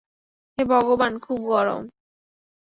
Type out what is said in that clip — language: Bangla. হে ভগবান, খুব গরম।